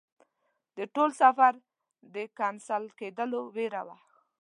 د ټول سفر د کېنسل کېدلو ویره وه.